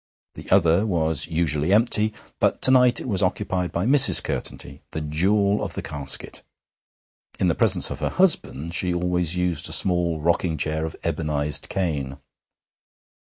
The other was usually empty, but to night it was occupied by Mrs. Curtenty, the jewel of the casket. In the presence of her husband she always used a small rocking chair of ebonized cane.